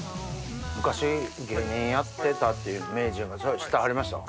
昔芸人やってたというの名人がそれは知ってはりましたか？